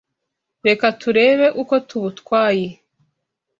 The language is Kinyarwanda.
Reka turebe uko tubutwaye